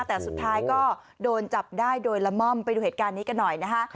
แต่สุดท้ายก็โดนจับได้โดยละม่อมไปดูเหตุการณ์นี้กันหน่อยนะคะ